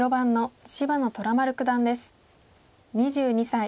２２歳。